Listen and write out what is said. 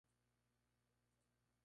Tiene un hermano llamado, Stewart.